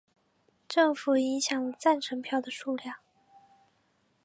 政府影响了赞成票的数量。